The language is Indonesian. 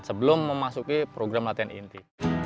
sebelum memasuki program latihan inti